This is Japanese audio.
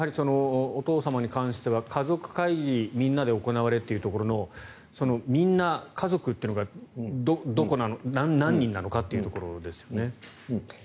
お父様に関しては家族会議みんなで行いというところのみんな、家族というのが何人なのかというところですよね。